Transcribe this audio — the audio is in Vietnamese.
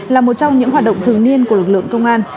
là một trong những hoạt động thường niên của lực lượng công an